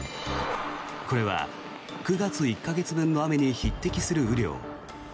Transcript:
これは９月１か月分の雨に匹敵する雨量。